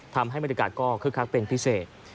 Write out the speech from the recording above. ทำให้มารึการก็คลักเป็นพิเศษ